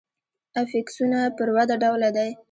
افیکسونه پر وده ډوله دي.